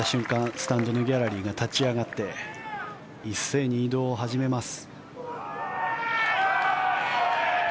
スタンドのギャラリーが立ち上がって一斉に移動を始めます。